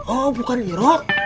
oh bukan irod